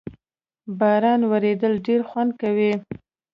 باران ورېدل ډېر خوند کوي